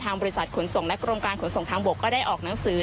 บริษัทขนส่งและกรมการขนส่งทางบกก็ได้ออกหนังสือ